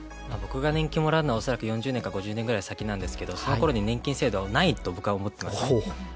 僕が年金をもらうのはおそらく４０年から５０年ぐらい先ですがそのころに年金制度はないと僕は思ってます。